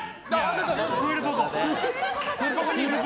出た、クールポコ！